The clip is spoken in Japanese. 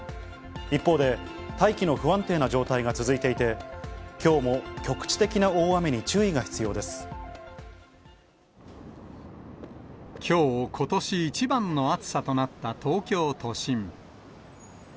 一方で、大気の不安定な状態が続いていて、きょうも局地的な大雨きょう、ことし一番の暑さとなった東京都心。